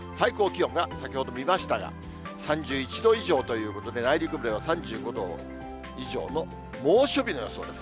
最高気温が先ほど見ましたが、３１度以上ということで、内陸部では３５度以上の猛暑日の予想です。